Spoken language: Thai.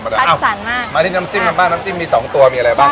สันมากมาที่น้ำจิ้มกันบ้างน้ำจิ้มมีสองตัวมีอะไรบ้าง